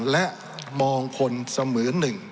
และมองคนเสมือนหนึ่ง